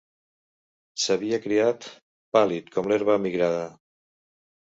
S'havia criat, pàl·lid com l'herba migrada.